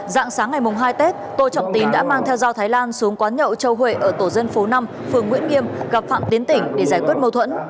dạng sáng ngày mùng hai tết tô trọng tín đã mang theo dao thái lan xuống quán nhậu châu huệ ở tổ dân phố năm phường nguyễn nghiêm gặp phạm tiến tỉnh để giải quyết mâu thuẫn